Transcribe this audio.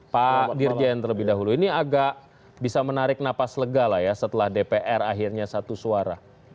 pak dirjen terlebih dahulu ini agak bisa menarik napas lega lah ya setelah dpr akhirnya satu suara